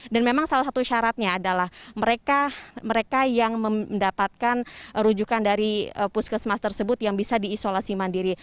dan memang salah satu syaratnya adalah mereka yang mendapatkan rujukan dari puskesmas tersebut yang bisa diisolasi mandiri